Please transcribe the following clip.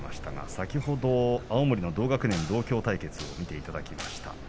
先ほど青森の同学年同郷対決を見ていただきました。